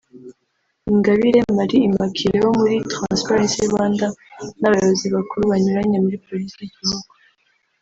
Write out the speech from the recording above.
Ingabire Marie Immaculée wo muri Transparency Rwanda n’abayobozi bakuru banyuranye muri Polisi y’Igihugu